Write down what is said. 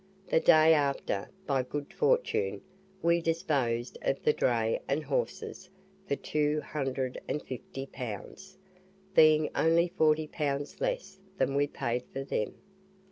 The day after, by good fortune, we disposed of the dray and horses for 250 pounds, being only 40 pounds less than we paid for them.